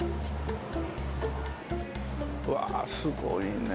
うわすごいね。